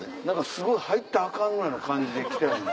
すごい入ったらアカンぐらいの感じで来てる。